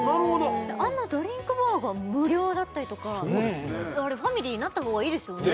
あんなドリンクバーが無料だったりとかあれＦａｍｉｌｙになった方がいいですよね？